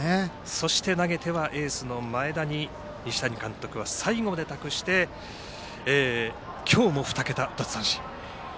そして投げてはエースの前田に西谷監督は最後まで託して今日も２桁奪三振。